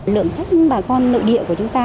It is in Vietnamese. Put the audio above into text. lượng khách bà con nội địa của chúng ta